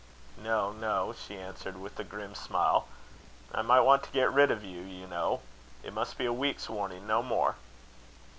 "No, no," she answered, with a grim smile. "I might want to get rid of you, you know. It must be a week's warning, no more."